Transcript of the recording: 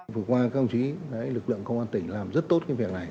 vừa qua các ông chí lực lượng công an tỉnh làm rất tốt cái việc này